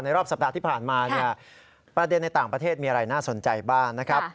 รอบสัปดาห์ที่ผ่านมาเนี่ยประเด็นในต่างประเทศมีอะไรน่าสนใจบ้างนะครับ